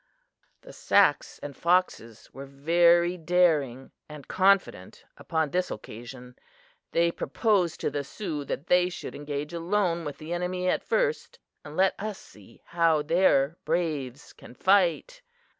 "The Sacs and Foxes were very daring and confident upon this occasion. They proposed to the Sioux that they should engage alone with the enemy at first, and let us see how their braves can fight!